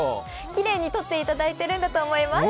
きれいに撮っていただいてるんだろうと思います。